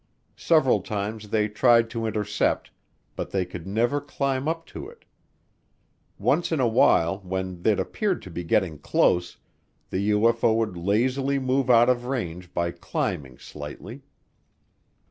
Several times they tried to intercept, but they could never climb up to it. Once in a while, when they'd appear to be getting close, the UFO would lazily move out of range by climbing slightly.